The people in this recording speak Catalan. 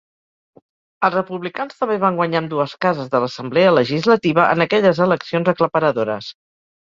Els republicans també van guanyar ambdues cases de la assemblea legislativa en aquelles eleccions aclaparadores.